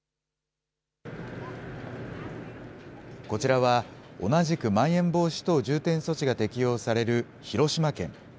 こちらは、同じくまん延防止等重点措置が適用される広島県。